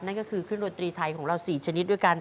นั่นก็คือเครื่องดนตรีไทยของเรา๔ชนิดด้วยกัน